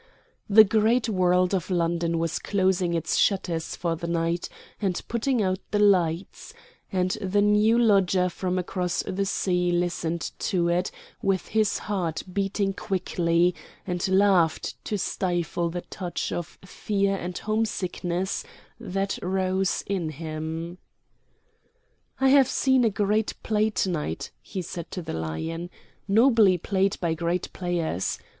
The great world of London was closing its shutters for the night, and putting out the lights; and the new lodger from across the sea listened to it with his heart beating quickly, and laughed to stifle the touch of fear and homesickness that rose in him. "I have seen a great play to night," he said to the Lion, "nobly played by great players.